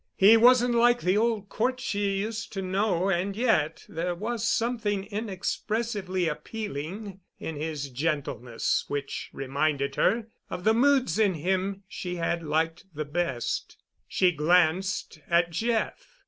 He wasn't like the old Cort she used to know, and yet there was something inexpressively appealing in his gentleness which reminded her of the moods in him she had liked the best. She glanced at Jeff.